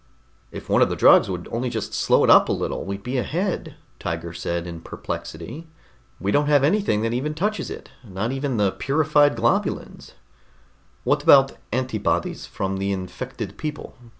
"If one of the drugs would only just slow it up a little, we'd be ahead," Tiger said in perplexity. "We don't have anything that even touches it, not even the purified globulins." "What about antibodies from the infected people?"